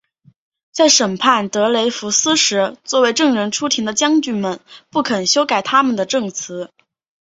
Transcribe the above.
在审判德雷福斯时作为证人出庭的将军们不肯修改他们的证词。